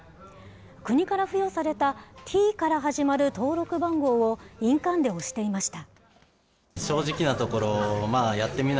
国から付与されたＴから始まる登録番号を印鑑で押していました。